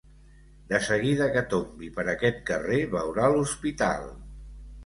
De seguida que tombi per aquest carrer veurà l'hospital.